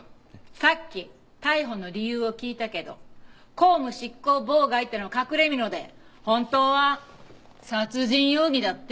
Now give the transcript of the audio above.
さっき逮捕の理由を聞いたけど公務執行妨害っていうのは隠れみので本当は殺人容疑だって？